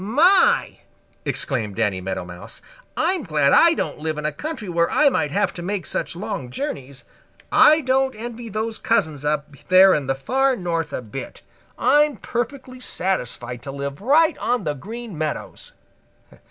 "My!" exclaimed Danny Meadow Mouse, "I'm glad I don't live in a country where I might have to make such long journeys. I don't envy those cousins up there in the Far North a bit. I'm perfectly satisfied to live right on the Green Meadows."